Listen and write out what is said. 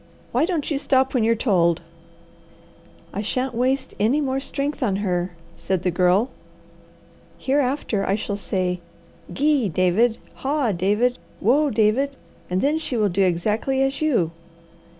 "Why don't you stop when you're told?" "I shan't waste any more strength on her," said the Girl. "Hereafter I shall say, 'Gee, David,' 'Haw, David,' 'Whoa, David,' and then she will do exactly as you."